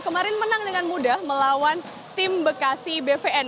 kemarin menang dengan mudah melawan tim bekasi bvn